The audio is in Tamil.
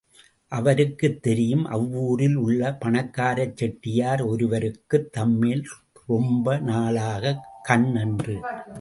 அவருக்குத் தெரியும் அவ்வூரில் உள்ள பணக்காரச் செட்டியார் ஒருவருக்குத் தம்மேல் ரொம்ப நாளாகக் கண் என்று.